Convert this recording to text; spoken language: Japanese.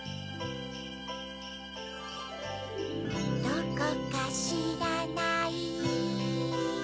どこかしらない